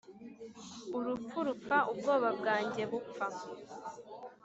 urupfu rupfa ubwoba bwanjye bupfa